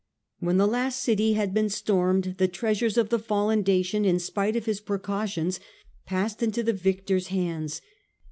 When the last city had been stormed, the treasures of the fallen Dacian, in spite of his precautions, passed into the victor's hands.